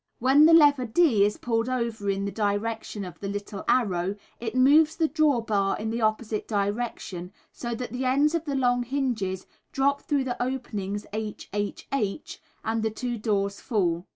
When the lever D is pulled over in the direction of the little arrow, it moves the draw bar in the opposite direction, so that the ends of the long hinges drop through the openings H H H, and the two doors fall.